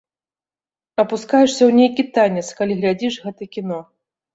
Апускаешся ў нейкі танец, калі глядзіш гэта кіно.